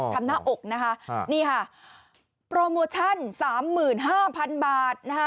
อ๋อทำหน้าอกนะคะนี่ค่ะโปรโมชั่นสามหมื่นห้าพันบาทนะคะ